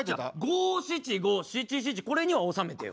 五・七・五・七・七これには収めてよ。